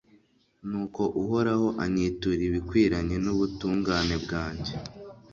nuko uhoraho anyitura ibikwiranye n'ubutungane bwanjye